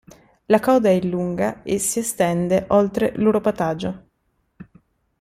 La coda è lunga e si estende oltre l'uropatagio.